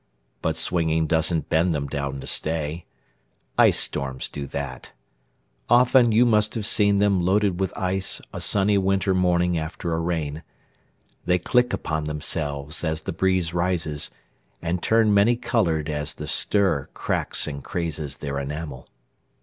But swinging doesn't bend them down to stay. Ice storms do that. Often you must have seen them Loaded with ice a sunny winter morning After a rain. They click upon themselves As the breeze rises, and turn many colored As the stir cracks and crazes their enamel.